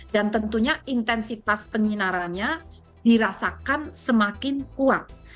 dan tentunya intensitas penyinarannya dirasakan semakin kuat